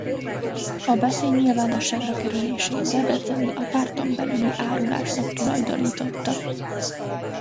A beszéd nyilvánosságra kerülését Debreczeni a párton belüli árulásnak tulajdonította.